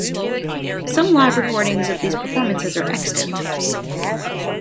Some live recordings of these performances are extant.